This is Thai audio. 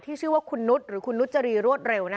ชื่อว่าคุณนุษย์หรือคุณนุจรีรวดเร็ว